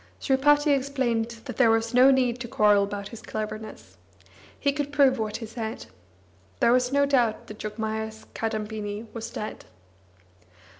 Sripati explained that there was no need to quarrel about his cleverness. He could prove what he said. There was no doubt that Jogmaya's Kadambini was dead.